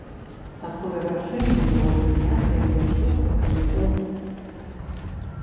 Такое рашэнне было прынятае яшчэ ў сакавіку.